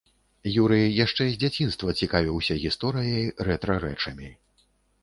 Юрый яшчэ з дзяцінства цікавіўся гісторыяй, рэтра-рэчамі.